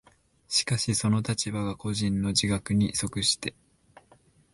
しかしその立場が個人の自覚に即して